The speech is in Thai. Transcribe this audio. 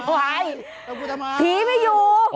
อ้อยภีตไม่อยู่